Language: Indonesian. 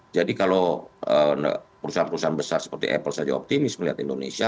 jadi kalau perusahaan perusahaan besar seperti apple saja optimis melihat indonesia